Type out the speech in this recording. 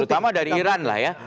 terutama dari iran lah ya